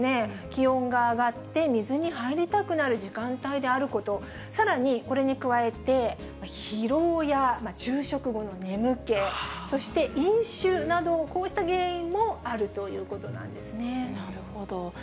気温が上がって、水に入りたくなる時間帯であること、さらにこれに加えて、疲労や昼食後の眠気、そして飲酒など、こうした原因もあるというなるほど。